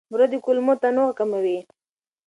بوره د کولمو تنوع کموي.